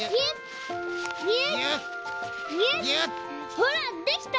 ほらできた！